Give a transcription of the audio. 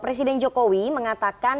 presiden jokowi mengatakan